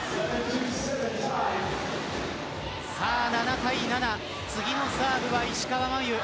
７対７、次のサーブは石川真佑